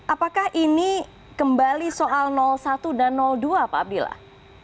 apakah ini kembali soal satu dan dua pak abdillah